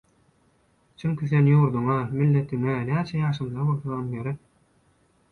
Çünki sen ýurduňa, milletiňe näçe ýaşyňda bolsaňam gerek.